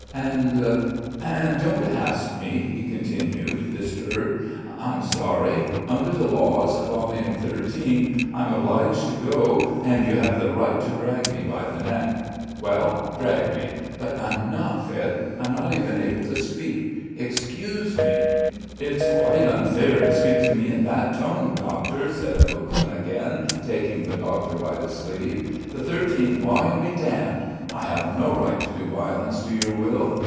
"And ... and don't ask me," he continued, disturbed. "I'm sorry.... Under the Laws, Volume XIII., I'm obliged to go and you have the right to drag me by the neck.... Well, drag me, but ... I'm not fit.... I'm not even able to speak. Excuse me." "It's quite unfair to speak to me in that tone, Doctor," said Aboguin, again taking the doctor by the sleeve. "The thirteenth volume be damned! I have no right to do violence to your will.